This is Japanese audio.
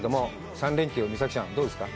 ３連休、美咲ちゃん、どうですか。